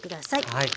はい。